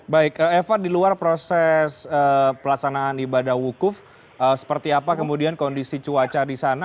baik eva di luar proses pelaksanaan ibadah wukuf seperti apa kemudian kondisi cuaca di sana